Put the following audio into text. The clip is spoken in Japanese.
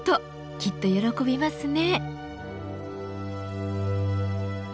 きっと喜びますね。